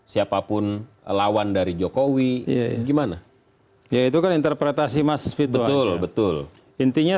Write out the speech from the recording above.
siapapun lawan dari jokowi gimana yaitu kan interpretasi mas fitro betul betul intinya